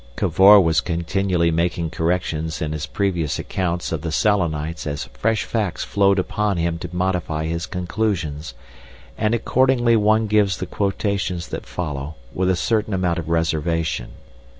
Cavor was continually making corrections in his previous accounts of the Selenites as fresh facts flowed upon him to modify his conclusions, and accordingly one gives the quotations that follow with a certain amount of reservation.